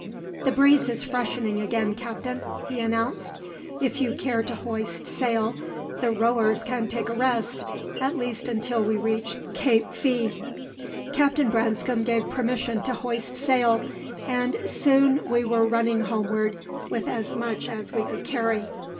"The breeze is freshening again, Captain," he announced. "If you care to hoist sail, the rowers can take a rest, at least until we reach Cape Fea." Captain Branscome gave permission to hoist sail, and soon we were running homeward with as much as we could carry.